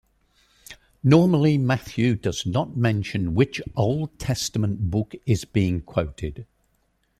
Normally Matthew does not mention which Old Testament book is being quoted.